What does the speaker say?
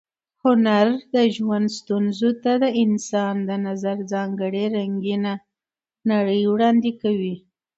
هنر د ژوند ستونزو ته د انسان د نظر ځانګړې رنګینه نړۍ وړاندې کوي.